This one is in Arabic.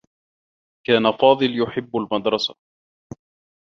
كان فاضل يحبّ المدرسة.